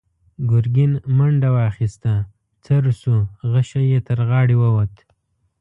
ګرګين منډه واخيسته، څررر شو، غشۍ يې تر غاړې ووت.